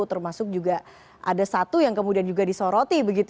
termasuk juga ada satu yang kemudian juga disoroti